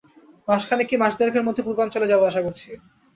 মাসখানেক কি মাস-দেড়েকর মধ্যে পূর্বাঞ্চলে যাব, আশা করছি।